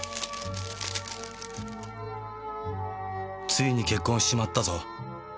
「ついに結婚しちまったぞ」